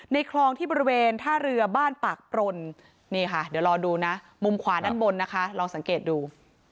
ในคลองที่บริเวณท่าเรือบ้านปากปล่นมุมขวานั้นบนลองสังเกตดู